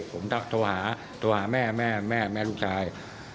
ผมโทรหาโทรหาแม่แม่แม่ลูกชาย